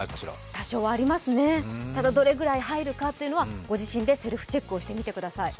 多少はありますね、ただどれぐらい入るかというのはご自身でセルフチェックをしてみてください。